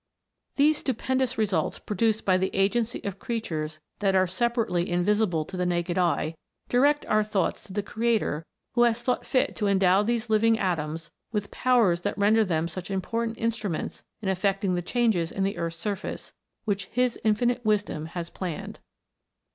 These stupendous results produced by the agency of creatures that are separately invisible to the naked eye, direct our thoughts to the Creator who has thought fit to endow these living atoms with powers that render them such important instruments in effecting the changes in the earth's surface, which His infinite wisdom has planned.